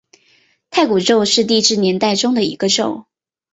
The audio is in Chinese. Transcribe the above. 太古宙是地质年代中的一个宙。